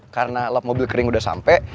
karena lap mobil kering udah sampe